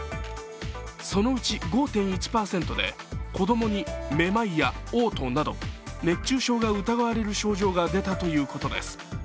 そのうち５．１％で子供にめまいやおう吐など、熱中症が疑われる症状が出たということです。